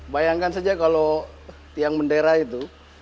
bayangkan saja kalau tiang bendera itu